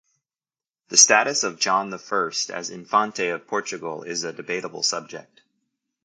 The status of John the First as Infante of Portugal is a debatable subject.